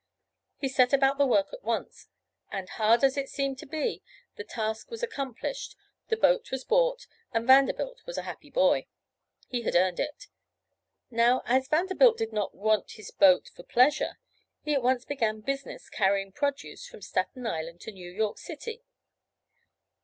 He set about the work at once, and hard as it seemed to be, the task was accomplished, the boat was bought, and Vanderbilt was a happy boy. He had earned it. Now, as Vanderbilt did not want this boat for pleasure, he at once began business carrying produce from Staten Island to New York city.